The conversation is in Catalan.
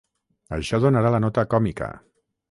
Això donarà la nota còmica.